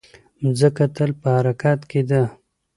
مځکه تل په حرکت کې ده.